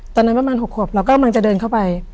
ตอนนั้นประมาณ๖ขวบเรากำลังจะเดินเข้าไป